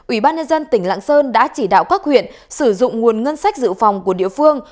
ủy ban nhân dân tỉnh lạng sơn đã chỉ đạo các huyện sử dụng nguồn ngân sách dự phòng của địa phương